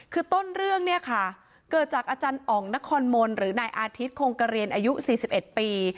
คือต้นเรื่องเนี่ยค่ะเกิดจากอาจารย์อ๋องนครมนต์หรือนายอาทิตย์คงกระเรียนอายุ๔๑ปี